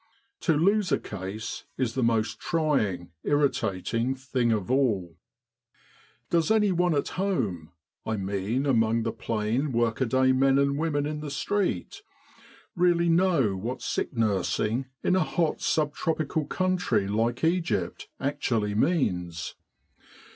To lose a case is the most trying, irritating thing of all. " Does anyone at home I mean among the plain workaday men and women in the street really know what sick nursing in a hot sub tropical country like Egypt actually means